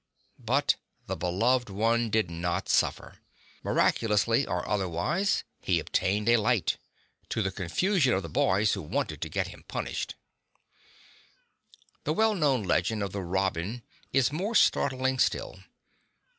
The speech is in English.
But the Beloved one did not suffer. Miraculously, or otherwise, he obtained a light — to the confusion of the boys who wanted tO' get him punished. The well known legend of the robin is more startling still.